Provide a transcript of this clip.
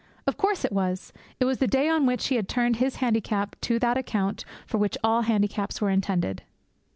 Of course it was! It was the day on which he had turned his handicap to that account for which all handicaps were intended.